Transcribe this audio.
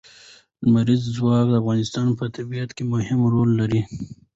لمریز ځواک د افغانستان په طبیعت کې مهم رول لري.